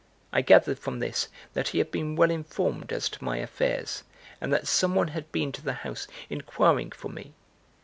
I gathered from this that he had been well informed as to my affairs, and that someone had been to the house inquiring for me.